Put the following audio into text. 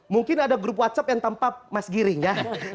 mungkin ada grup whatsapp yang tampak mas giring ya